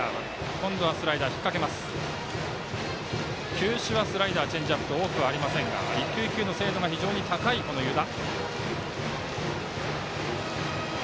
球種はスライダーチェンジアップと多くありませんが一球一球の精度が非常に高い、湯田。